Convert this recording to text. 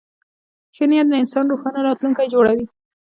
ښه نیت د انسان روښانه راتلونکی جوړوي.